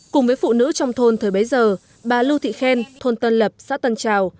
cùng với phụ nữ trong thôn thời bấy giờ bà lưu thị khen thôn tân lập xã tân trào